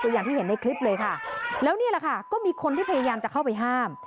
อย่างที่เห็นในคลิปเลยค่ะแล้วนี่แหละค่ะก็มีคนที่พยายามจะเข้าไปห้าม